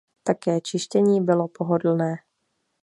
Také čištění bylo pohodlné.